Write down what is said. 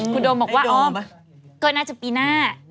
คุณโดมบอกว่าอ๋อก็น่าจะปีหน้า